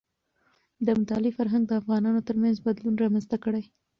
د مطالعې فرهنګ د افغانانو ترمنځ بدلون رامنځته کړي.